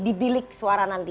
dibilik suara nanti